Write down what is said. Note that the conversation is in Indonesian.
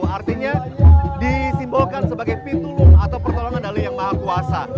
artinya disimbolkan sebagai pitu lung atau pertolongan dalih yang maha kuasa